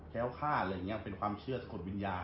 ้วคาดอะไรอย่างนี้เป็นความเชื่อสะกดวิญญาณ